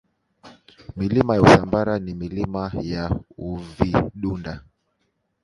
Milima ya Usambara na Milima ya Uvidunda